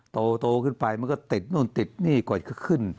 โตขึ้นไปแล้วติดนู่นก็ติดขึ้น